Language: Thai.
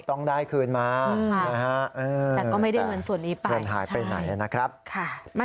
ต้องได้คืนมานะครับแต่ร่วนหายไปไหนนะครับแต่ก็ไม่ได้เงินส่วนนี้ไป